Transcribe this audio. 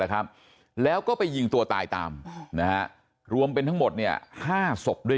แหละครับแล้วก็ไปยิงตัวตายตามรวมเป็นทั้งหมดเนี่ย๕ศพด้วย